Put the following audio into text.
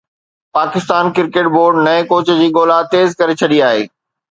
Pakistan cricket board نئين coach جي ڳولا تيز ڪري ڇڏي آهي